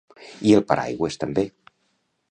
i el paraigües també